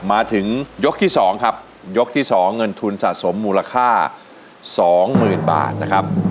มาถึงยกที่สองครับยกที่สองเงินทุนสะสมมูลค่าสองหมื่นบาทนะครับ